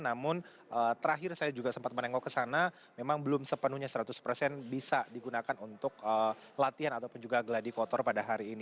namun terakhir saya juga sempat menengok ke sana memang belum sepenuhnya seratus persen bisa digunakan untuk latihan ataupun juga gladi kotor pada hari ini